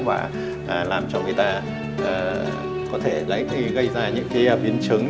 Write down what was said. và làm cho người ta có thể gây ra những biến chứng